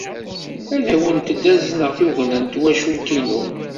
Ad awent-d-azneɣ tugna n twacult-inu.